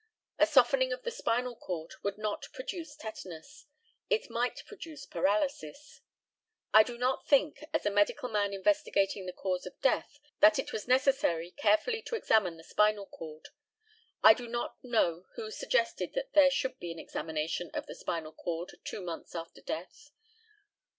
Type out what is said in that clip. A softening of the spinal cord would not produce tetanus it might produce paralysis. I do not think, as a medical man investigating the cause of death, that it was necessary carefully to examine the spinal cord. I do not know who suggested that there should be an examination of the spinal cord two months after death.